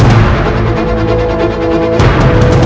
dan raden kiansanta